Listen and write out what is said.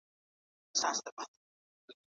مېرمن او خاوند څنګه ګډه خوښي ساتلای سي؟